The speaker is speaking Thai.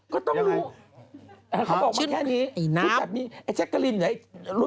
ก็ต้องรู้